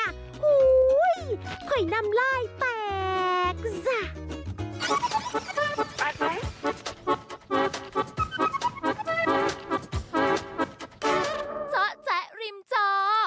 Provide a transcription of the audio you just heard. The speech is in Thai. โอ้โฮไข่น้ำล่ายแปลกจ้ะ